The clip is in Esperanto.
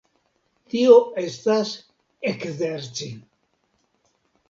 Tio estas ekzerci.